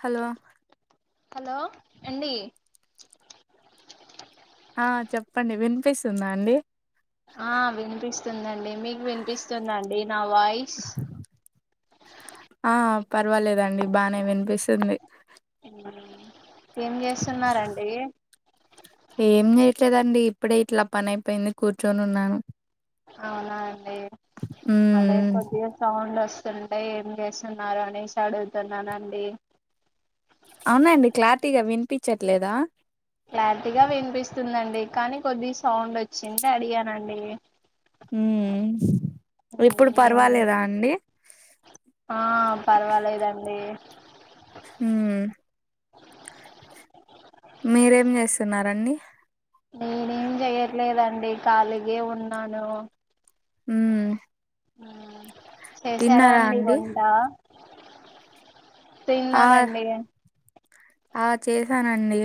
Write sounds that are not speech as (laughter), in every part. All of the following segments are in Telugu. హలో హలో అండి ఆ చెప్పండి వినిపిస్తుందా అండి ఆ వినిపిస్తుందండి మీకు వినిపిస్తుందా అండి నా వాయిస్ ఆ పర్వాలేదండి బానే వినిపిస్తుంది ఉమ్ ఏం జేస్తున్నా రండి ఏం జేయట్లేదండి ఇప్పుడే ఇట్లా పని అయిపోయింది కూర్చొని ఉన్నాను అవునా అండి అదే మ్మ్ కొద్దిగా సౌండ్లు వస్తుంటే ఏం జేస్తున్నారు అనేసి అడుగుతున్నానండి అవునా అండి క్లారిటీగా వినిపించట్లేదా క్లారిటీగా వినిపిస్తుందండి కానీ కొద్ది సౌండ్ వచ్చింటే అడిగానండి ఉమ్ ఇప్పుడు పర్వాలేదా అండి ఆ పర్వాలేదండి ఉమ్ మీరేం జేస్తున్నారండి నేనేం చేయట్లేదండి ఖాళీగే ఉన్నాను మ్మ్ చేశారా అండి వంట ఆ తిన్నానండి ఆ చేశానండి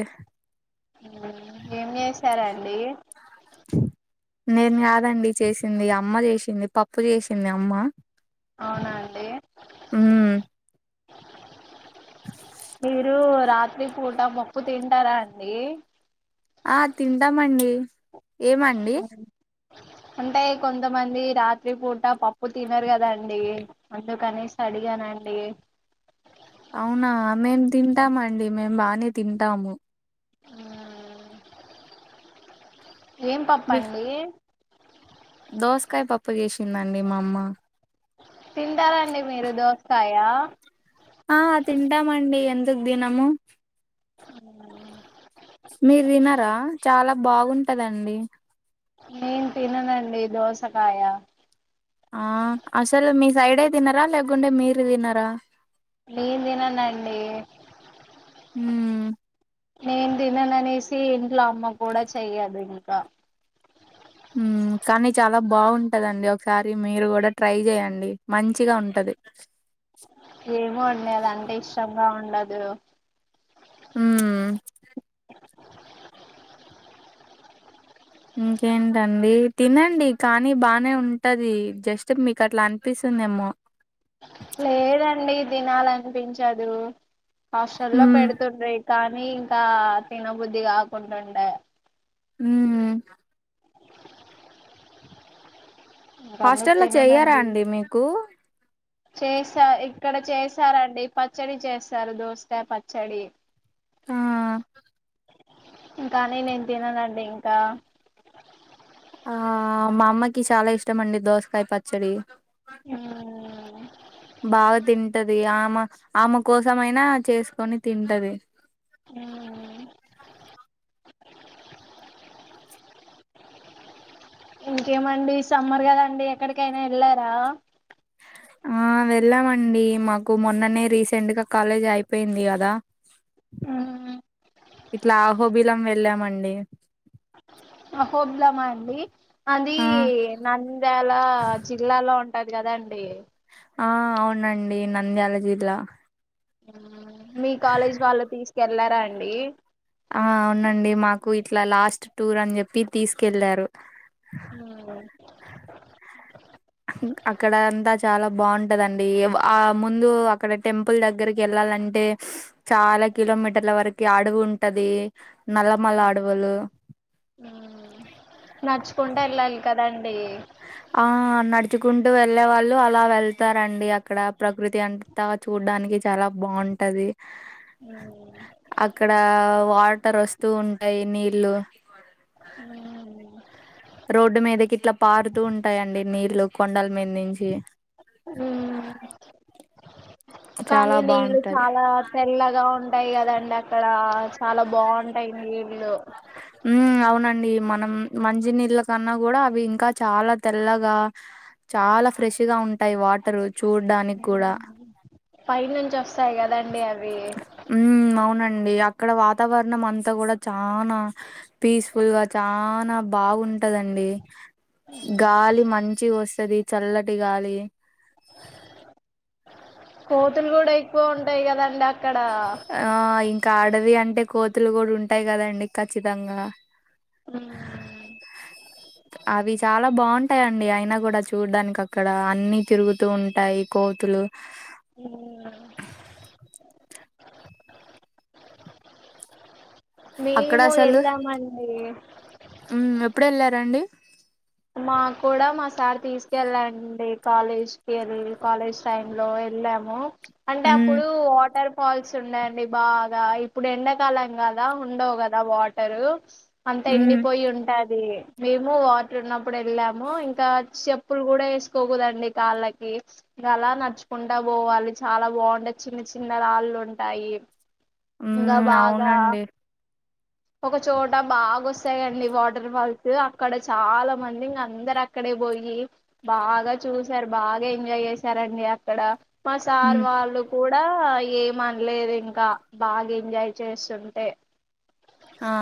ఉమ్ ఏం చేశారండి నేను కాదండి చేసింది అమ్మ చేసింది పప్పు జేసింది అమ్మ అవునా అండి మ్మ్ మీరు రాత్రి పూట పప్పు తింటారా అండి ఆ తింటామండి ఏమండి అంటే కొంతమంది రాత్రి పూట పప్పు తినరు కదండి అందుకనేసి అడిగానండి అవునా మేము తింటామ్ అండి మేము బానే తింటాము ఆ ఏం మీ పప్పండి దోసకాయ పప్పు జేసిందండి మా అమ్మ తింటారా అండి మీరు దోసకాయ ఆ తింటా మండి ఎందుకు దినము ఉమ్ మీరు తినరా చాలా బాగుంటదండి నేన్ తిననండి దోసకాయ ఆ అసలు మీ సైడే తినరా లేకుంటే మీరు తినరా నేన్ తిననండి ఉమ్ నేన్ దినను అనేసి ఇంట్లో అమ్మ కూడా చెయ్యదు ఇంకా ఉమ్ కానీ చాలా బాగుంటదండి. ఒకసారి మీరు కూడా ట్రై చేయండి మంచిగా ఉంటది ఏమో అండి అదంటే ఇష్టంగా ఉండదు హ్ ఇంకేంటండి తినండి కానీ బానే ఉంటది. జస్ట్ మీకు అట్లా అనిపిస్తుందేమో లేదండి తినాలనిపించదు. హాస్టల్లో ఉమ్ పెడుతుండ్ర కానీ ఇంకా తినబుద్ధి కాకుంటుండే హ్ ఇంక అందుకు హాస్టల్లో చెయ్యారా తిననండి అండి మీకు చేస్తారు ఇక్కడ చేస్తారండి పచ్చడి చేస్తారు దోసకాయ పచ్చడి ఆ కానీ నేను తిన నండి ఇంకా ఆ మా అమ్మకి చాలా ఇష్టం అండి దోసకాయ పచ్చడి ఆ బాగా తింటది. ఆమె ఆమె కోసం అయినా చేసుకొని తింటది. ఆ ఇంకేమండి సమ్మర్ కదండి. ఎక్కడికైనా వెళ్ళారా ఆ ఆ వెళ్ళామండి. మాకు మొన్ననే రీసెంట్ గా కాలేజ్ అయిపోయింది. కదా మ్మ్ ఇట్లా ఆహోబిలం వెళ్ళామండి అహోబిలమా అండి అది ఆ నంద్యాల జిల్లాలో ఉంటది. కదాండి ఆ అవునండి నంద్యాల జిల్లా మీ కాలేజ్ వాళ్ళు తీసుకెళ్లారా అండి ఆ అవునండి. మాకు ఇట్లా లాస్ట్ టూర్ అని చెప్పి తీసుకెళ్లారు ఆ ఆ అక్కడ అంతా చాలా బాగుంటదండి. ఆ ముందు అక్కడ టెంపుల్ దగ్గరకి వెళ్ళాలంటే చాలా కిలోమీటర్ల వరకి అడవి ఉంటది. నల్లమల్ల అడవులు నడుచుకుంట వెళ్ళాలి కదాండి. ఆ నడుచుకుంటూ వెళ్ళే వాళ్ళు అలా వెళ్తారండి అక్కడ ప్రకృతి అంత చూడటానికి చాలా బాగుంటది ఉమ్ అక్కడ వాటర్ వస్తూ ఉంటాయి. నీళ్ళు ఉ రోడ్డు మీదకి ఇట్లా పారుతూ ఉంటాయండి. నీళ్లు కొండల మీద నుంచి కానీ చాలా నేను బాగుంటది చాలా తెల్లగా ఉంటాయి. కదండి అక్కడ చాలా బాగుంటాయి. నీళ్లు ఉ అవునండి మనం మంచినీళ్ళ కన్నా కూడా అవి ఇంకా చాలా తెల్లగా చాలా ఫ్రెష్ గా ఉంటాయి. వాటరు చూడడానికి కూడా పై నుంచి వస్తాయి కదండి అవి ఉ అవునండి అక్కడ వాతావరణం అంతా కూడా చానా పీస్ఫుల్ గా చానా బాగుంటదండి గాలి మంచిగా వస్తది చల్లటి గాలి కోతులు కూడా ఎక్కువ ఉంటాయి. కదండి అక్కడ ఆ ఇంకా అడవి అంటే కోతులు కూడా ఉంటాయి. కదండి ఖచ్చితంగా ఉమ్ అవి చాలా బాగుంటాయి టాయండి అయినా కూడా చూడ్డానికి అక్కడ అన్నీ తిరుగుతూ ఉంటాయి కోతులు ఉమ్ నా అక్కడ మేము అసలు ఎళ్ళామండి ఉమ్ ఎప్పుడెళ్ళారండి మాకు కూడా మా సార్ తీసుకెళ్ళా అండి కాలేజ్కి ఎళ్ళి కాలేజ్ టైం లో ఎళ్ళాము అంటే ఉమ్ అప్పుడు వాటర్ ఫాల్స్ ఉన్నాయండి బాగా ఇప్పుడు ఎండాకాలం కదా ఉండవు కదా వాటరు అంతా ఉమ్ ఎండిపోయి ఉంటాది మేము వా ట్రున్నప్పుడు ఎళ్ళాము ఇంకా చెప్పులు కూడా ఏసుకోకూదండి కాళ్ళకి గలా నడుచుకుంటా పోవాలి చాలా బావుండే చిన్న చిన్న రాళ్లుంటాయి ఇంగా ఉమ్ బాగా అవునండి ఒక చోట బాగొస్తాయండి వాటర్ ఫాల్స్ అక్కడ చాలా మంది ఇంగ అందర అక్కడే పోయి బాగా చూసారు బాగా ఎంజాయ్ చేసారండి అక్కడ మా సార్ ఉమ్ వాళ్ళు కూడా ఏమనలేదు ఇంకా బాగా ఎంజాయ్ చేస్తుంటే ఆ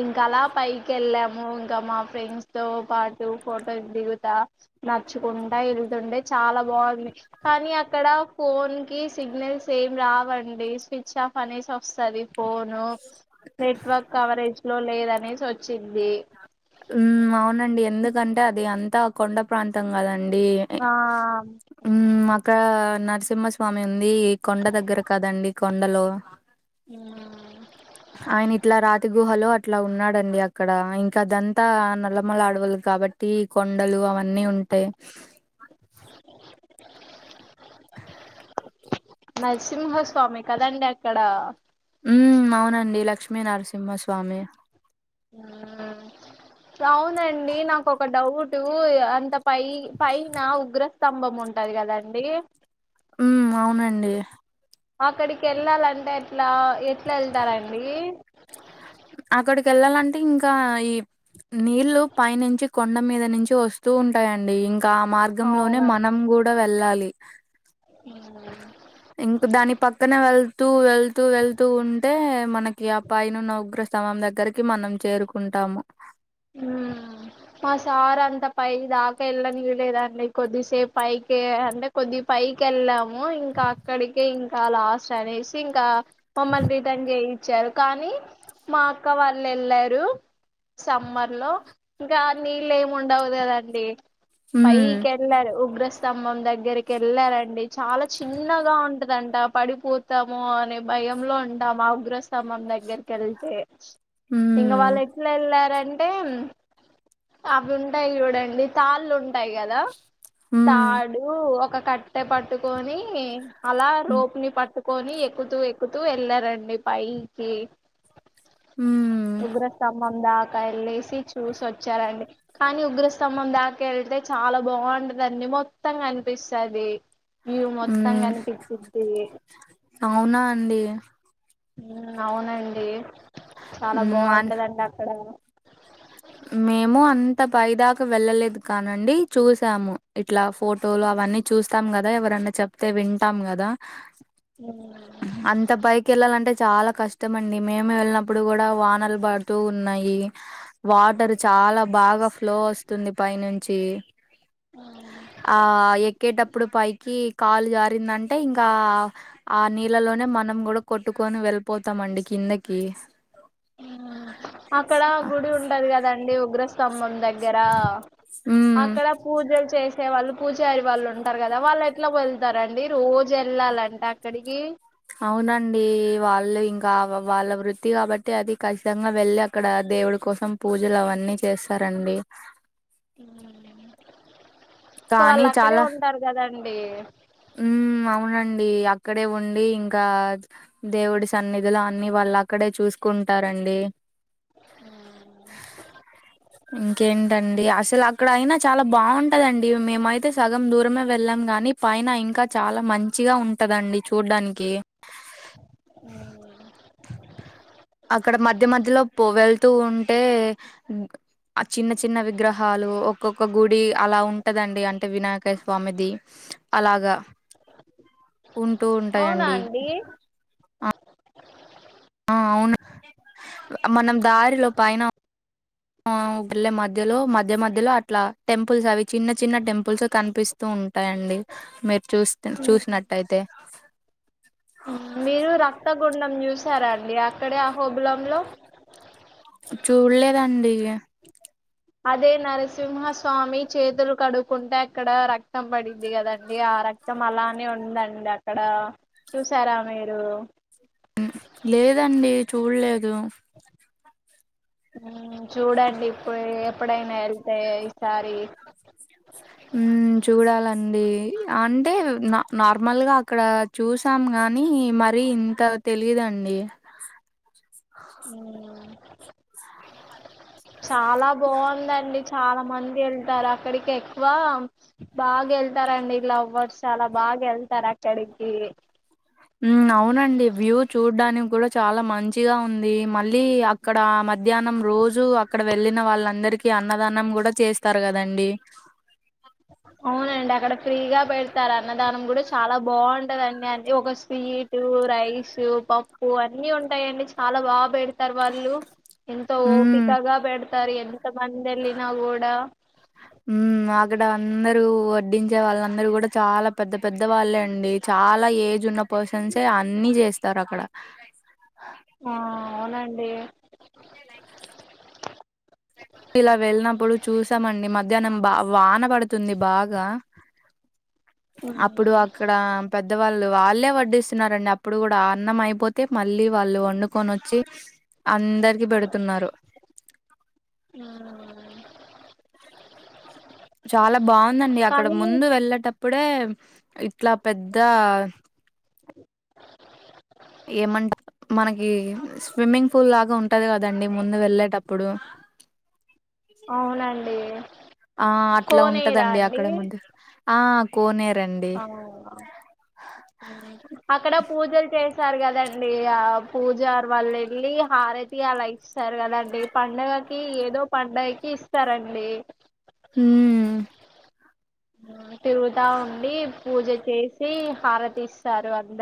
ఇంకా అలా పైకి ఎళ్ళాము ఇంకా మా ఫ్రెండ్స్ తో పాటూ ఫోటోస్ దిగుతా నచ్చుకుంటా ఎళ్తుండే చాలా బావుంది కానీ అక్కడ ఫోన్ కి సిగ్నల్స్ ఏం రావండి స్విచ్ ఆఫ్ అనేసి వస్తాది ఫోను నెట్వర్క్ కవరేజ్ లో లేదు అనేసి వచ్చింది ఉమ్ అవునండి ఎందుకంటే అది అంతా కొండ ప్రాంతం కదండి ఆం ఉమ్ అక్కడ నరసింహస్వామి ఉంది కొండ దగ్గర కదండి కొండలో (inaudible) ఊ ఆయన ఇట్లా రాతి గుహలో అట్లా ఉన్నాడండి అక్కడ ఇంకా దన్ తా ఆ నల్లమల అడవులు కాబట్టి కొండలు అవన్నీ ఉంటాయి నరసింహస్వామి కదండి అక్కడ ఊమ్ అవునండి లక్ష్మీ నరసింహస్వామి అవునండి నాకు ఒక డౌ టు అంత పై పైన ఉగ్ర స్తంభం ఉంటది కదండి ఉమ్ అవునండి అక్కడికి ఎళ్ళాలంటే ఎట్లా ఎట్లా ఎళ్తారండి అక్కడికి ఎళ్ళాలంటే ఇంకా ఈ నీళ్లు పైనుంచి కొండ మీద నుంచి వస్తూ ఉంటాయండి ఇంకా ఆ మార్గంలోనే అవునండి మనం గూడా వెళ్ళాలి ఊ ఇంక దాని పక్కన వెళ్తూ వెళ్తూ ఎళ్తూ ఉన్ టే మనకి అ పైనున్న ఉగ్ర స్థంభం దగ్గరకి మనం చేరుకుంటాము మా సార్ అంత పై దాకా ఎళ్ళనివ్వలేదండి కొద్దిసేపు పైకి అంటే కొద్ది పైకి ఎళ్ళాం ము ఇంకా అక్కడికే ఇంకా లాస్ట్ అనేసి ఇంకా మమ్మల్ని రిటర్న్ చేయ్ చ్చారు కానీ మా అక్క వాళ్ళు ఎళ్ళారు సమ్మర్ లో ఇంకా నీళ్ళు ఏం ఉండవు గదండి ఉమ్ పైకిళ్ళారు ఉగ్రస్ స్తంభం దగ్గరికి వెళ్ళారండి చాలా చిన్నగా ఉంటదంట పడిపో తము అనే బయంలో ఉంటాం ఆ ఉగ్రస్తంభం దగ్గరికేళ్తే ఇంగ వాళ్ళు ఉమ్ ఎట్లా ఎల్లర్ అంటే అవి ఉంటాయి చూడండి తాళ్ళు ఉంటాయి కదా ఉమ్ తాడు ఒక కట్టె పట్టుకొని అలా రోపుని పట్టుకు కోని ఎక్కుతూ ఎక్కుతూ వెళ్లారండి పైకి ఉమ్ ఉగ్ర స్తంభం దాకా వెళ్ళసి చూసి వచ్చారండి కానీ ఉగ్రస్తంభం దాక వెళ్తే చాలా బాగుంటదండి మొత్తంగా కనిపిస్తది వివ్ మొత్తం ఉమ్ కనిపిచ్చిది అవునా అండి అవునండి చాలా ఉమ్ అన్ బాగుంటదండి అక్కడ మేము అంత పైదాకా వెళ్ళలేదు కానండి చూసాము ఇట్లా ఫోటోలు అవన్నీ చూస్తాం కదా ఎవరన్నా చెప్తే వింటాం కదా మ్ అంత పైకేళ్ళాలంటే చాలా కష్టమండి మేము వెళ్ళినప్పుడు కూడా వానాలు పడుతూ ఉన్నాయి వాటర్ చాలా బాగా ఫ్లో వస్తుంది పైనుంచి ఆ ఎక్కేటప్పుడు పైకి కాలు జారిందంటే ఇంకా ఆ నీళ్ళలోనే మనం కూడా కొట్టుకొని వెళ్ళిపోతామండి కిందకి ఉమ్ అక్కడ ఆ గుడి ఉంటది కదండి ఉగ్ర స్తంభం దగ్గర ఉమ్ అక్కడ పూజలు చేసే వాళ్ళు పూజారి వాళ్ళు ఉంటారు కదా వాళ్ళు ఎట్లా వెళ్తారండి రోజు వెళ్ళాలంటే అ క్కడికి అవునండి వాళ్ళు ఇంకా వాళ్ళ వృత్తి కాబట్టి అది ఖచ్చితంగా వెళ్ళి అక్కడ దేవుడి కోసం పూజలు అవన్నీ చేస్తారండి ఇక కానీ వాళ్ళు అక్కడే ఉంటారు కదండి మ్ అవునండి అక్కడే ఉండి ఇంకా దేవుడి సన్నిదీలో అన్నిీ వాళ్ళు అక్కడే చూసుకుంటారండి ఇంకేంటండి అసలు అక్కడ అయినా చాలా బాగుం టదండి మేమైతే సగం దూరమే వెళ్ళం గాని పైన ఇంకా చాలా మంచిగా ఉంటదండి చూడ్డానికి అ అక్కడ మధ్య మధ్యలో పోగేళ్తూ ఉంటే ఆ చిన్న చిన్న విగ్రహాలు ఒక్కొక్క గుడి అలా ఉంటదండి అంటే వినాయక స్వామిది అలాగా ఉంటూ అవునా ఉంటాయండి అండి ఆ అవును మనం దారిలో పైన ఆ వెళ్ళలే మధ్యలో మధ్య మధ్యలో అట్లా టెంపుల్స్ అవి చిన్న చిన్న టెంపుల్స్ కనిపిస్ స్తు ఉంటాయండి మీరు చూ చూసినట్టయితే మ్ మీరు రక్తగుండం చూసారండి అక్కడే ఆ హోబులంలో చూళ్ళేదండి అదే నరసింహస్వామి చేతులు కడుక్కుంటే అక్కడ రక్తం పడింది కదండి ఆ రక్ క్తం అలానే ఉందండి అక్కడ చూసారా మీరు మ్ లేదండి చూడలేదు మ్ చూడండి ఇప్పుడు ఎప్పుడైనా వెళ్తె ఈసారి మ్ చూడాలండి అంటే నార్మల్గా అక్కడ చూసాం గాని మరి ఇంత తెలిదండి చాలా బావుందండి చాలా మంది వెళ్తారు అక్కడికి ఎక్కువ బాగా వెళ్తారండి లవ్ బర్డ్స్ చాలా బాగా వెళ్తారు అక్కడికి హ్మ్ అవునండి వ్యూ చూడ్డానికి కూడా చాలా మంచిగా ఉంది మళ్ళీ అక్కడ మ మధ్యాహ్నం రోజు అక్కడ వెళ్ళిన వాళ్ళందరికిీ అన్నదానం కూడా చేస్తారు కదండి అవునండి అక్కడ ఫ్రీగా పెడతారు అన్నదానం కూడా చాలా బావుంటదండి అది ఒక స్వీట్ టు రైస్ పప్పు అన్ని ఉంటాయండి చాలా బాగా పెడ్ తరు వాళ్ళు ఎంత మ్మ్ ఓపికగా పెడతారు ఎంత మంది ఎల్లినా కూడా హ్మ్ అక్కడ అందరూ వడ్డించే వాళ్ళందరూ కూడా చాలా పెద్ద పెద్ద వాళ్ళే అండి చాలా ఏజ్ ఉన్న పర్సన్సే అన్ని చేస్తారు అక్కడ ఆ అవునండి ఇలా వెళ్ళినప్పుడు చూసామండి మధ్యాహ్నం బా వాన పడుతుంది బాగా ఉమ్, అప్పుడు అక్కడ పెద్దవాళ్ళు వాళ్ళే వడ్డిస్తున్నారండి అప్పుడు కూడా అన్నం అయిపోతే మళ్ళీ వాళ్ళు వండుకొని వచ్చి అందరికి పెడుతున్నారు (unintelligible) చాలా బావుందండి అక్కడ కానీ ముందు వెళ్ళేటప్పుడే ఇట్లా పెద్ద ఏమంట మనకి స్విమ్మింగ్ పూల్ లాగా ఉంటది కదండి ముందు వెళ్ళేటప్పుడు అవునండి ఆ అట్లా కోనేరా ఉంటదండి అక్కడ అండి ముందు ఆ కోనేరండి అవునా ఉమ్. అక్కడ పూజలు చేసారు కదండి ఆ పూజారి వాళ్ళు వెళ్ళి హారతి అలా ఇస్ స్తారు కదండి పండుగకి ఏదో పండుగకి ఇస్తారండి హ్మ్ తిరుగుతా ఉండి పూజ చేసి హారతిస్తారు అంద